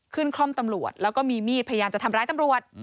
คล่อมตำรวจแล้วก็มีมีดพยายามจะทำร้ายตำรวจ